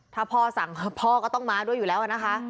ถ้าพ่อสั่งพ่อก็ต้องมาด้วยอยู่แล้วนะคะ